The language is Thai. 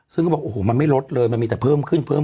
ซึ่งเขาบอกโอ้โหมันไม่ลดเลยมันมีแต่เพิ่มขึ้นเพิ่ม